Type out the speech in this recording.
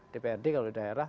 dprd kalau di daerah